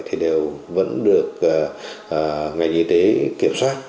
thì đều vẫn được ngành y tế kiểm soát